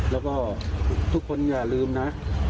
แล้วก็ทุกคนอย่าลืมนะ